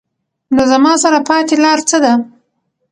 نو زما سره پاتې لار څۀ ده ؟